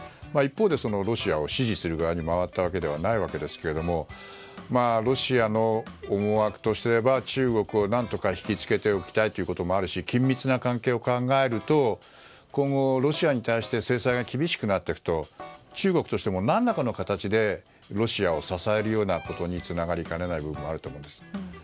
一方でロシアを支持する側に回ったわけではないですがロシアの思惑とすれば中国を何とか引きつけておきたいということもあるし、緊密な関係を考えると今後ロシアに対して制裁が厳しくなっていくと中国としても何らかの形でロシアを支えるようなことにつながりかねない部分もあると思います。